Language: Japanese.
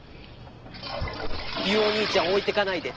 「ユウお兄ちゃん置いてかないで」